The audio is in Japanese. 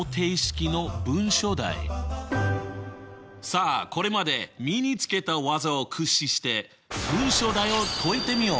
さあこれまで身につけた技を駆使しておしゃ！